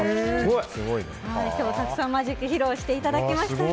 今日はたくさんマジックを披露していただきました。